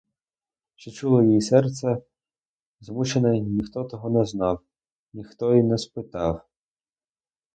Що чуло її серце змучене, ніхто того не знав, ніхто й не спитав.